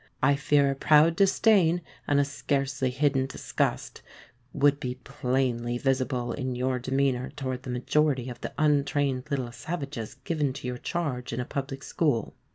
I fear a proud disdain, and a scarcely hidden disgust, would be plainly visible in your demeanour toward the majority of the untrained little savages given to your charge in a public school.